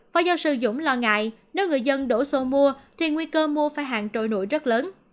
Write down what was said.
phó giáo sư dũng lo ngại nếu người dân đổ xô mua thì nguy cơ mua phải hàng trôi nổi rất lớn